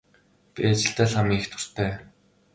Би ажилдаа л хамгийн их дуртай.